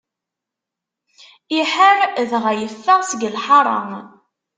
Iḥar, dɣa yeffeɣ seg lḥaṛa.